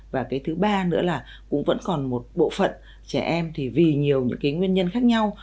và thứ ba nữa là cũng vẫn còn một bộ phận trẻ em vì nhiều nguyên nhân khác nhau